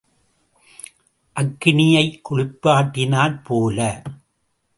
அக்கினியைக் குளிப்பாட்டினாற் போல.